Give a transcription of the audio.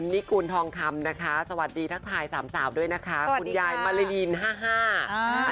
มีคนเข้ามาโวยพรเยอะเลยน่ะ